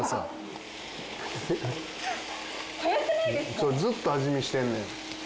そうずっと味見してんねん。